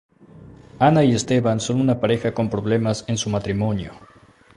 Ana y Esteban son una pareja con problemas en su matrimonio.